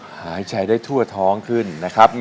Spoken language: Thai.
หายใจได้ทั่วท้องขึ้นนะครับ